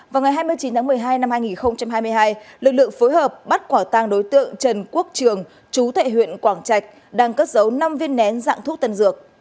vào ngày hai mươi chín tháng một mươi hai năm hai nghìn hai mươi hai lực lượng phối hợp bắt quả tàng đối tượng trần quốc trường chú thệ huyện quảng trạch đang cất giấu năm viên nén dạng thuốc tân dược